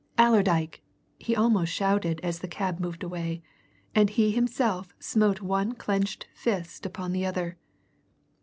"Allerdyke!" he almost shouted as the cab moved away, and he himself smote one clenched fist upon the other.